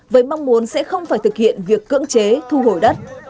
với mong muốn sẽ không phải thực hiện việc cưỡng chế thu hồi đất